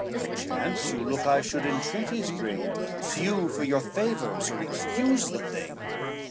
Perchance you look I should entreaties bring, Sue for your favors, or excuse the thing.